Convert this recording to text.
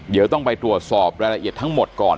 เดี๋ยวต้องไปตรวจสอบรายละเอียดทั้งหมดก่อน